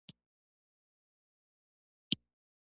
ورځ د جمعې ده سوال قبلېږي.